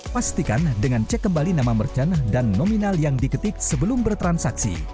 pastikan dengan cek kembali nama merchant dan nominal yang diketik sebelum bertransaksi